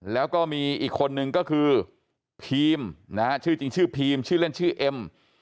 แล้วก็มีอีกคนนึงก็คือพีมนะฮะชื่อจริงชื่อพีมชื่อเล่นชื่อเอ็ม